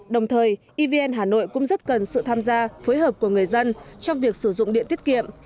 đồng thời evn hà nội cũng rất cần sự tham gia phối hợp của người dân trong việc sử dụng điện tiết kiệm